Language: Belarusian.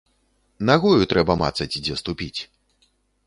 Нагою трэба мацаць, дзе ступіць.